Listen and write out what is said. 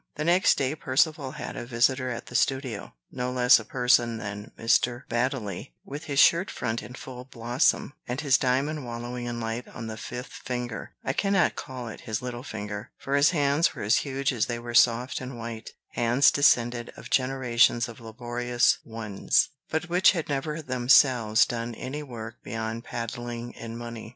The next day, Percivale had a visitor at the studio, no less a person than Mr. Baddeley, with his shirt front in full blossom, and his diamond wallowing in light on his fifth finger, I cannot call it his little finger, for his hands were as huge as they were soft and white, hands descended of generations of laborious ones, but which had never themselves done any work beyond paddling in money.